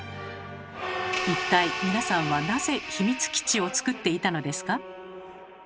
一体皆さんはなぜ秘密基地を作っていたのですか？